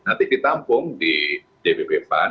nanti ditampung di dpp pan